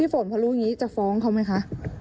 ฝนพอรู้อย่างนี้จะฟ้องเขาไหมคะ